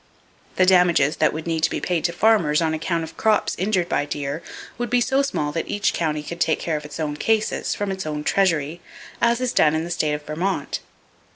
The damages that would need to be paid to farmers, on account of crops injured by deer, would be so small that each county could take care of its own cases, from its own treasury, as is done in the State of Vermont.